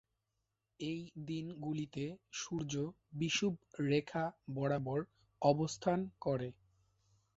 এই দিন গুলিতে সূর্য বিষুব রেখা বরাবর অবস্থান করে।